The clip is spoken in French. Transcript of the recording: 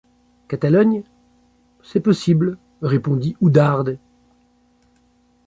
Catalogne? c’est possible, répondit Oudarde.